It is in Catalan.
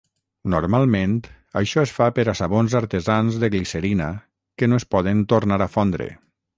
Normalment, això es fa per a sabons artesans de glicerina que no es poden tornar a fondre.